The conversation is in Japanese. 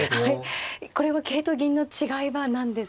これは桂と銀の違いは何ですか。